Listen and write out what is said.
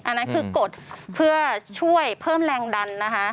อันนั้นคือกดเพื่อช่วยเพิ่มแรงดันนะคะ